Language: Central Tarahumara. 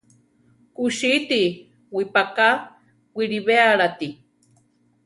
Kusíti wipaká wiʼlibéalati.